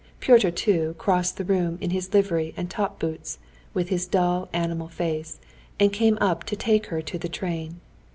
Pyotr, too, crossed the room in his livery and top boots, with his dull, animal face, and came up to her to take her to the train.